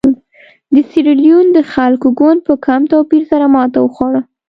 د سیریلیون د خلکو ګوند په کم توپیر سره ماته وخوړه.